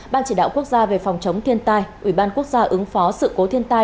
ban chỉ đạo quốc gia về phòng chống thiên tai ủy ban quốc gia ứng phó sự cố thiên tai